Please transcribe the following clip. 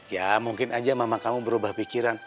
ya mungkin aja mama kamu berubah pikiran